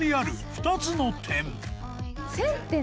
２つの点？